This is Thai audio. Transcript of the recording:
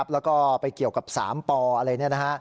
แล้วก็ไปเกี่ยวกับสามปออะไร